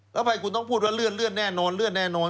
แล้วใครคุณต้องพูดว่าเลื่อนแน่นอน